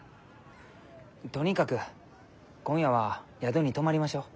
とにかく今夜は宿に泊まりましょう。